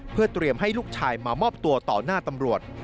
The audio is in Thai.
เพื่อเตรียมให้ลูกชายมามอบตัวต่อหน้าตำรวจ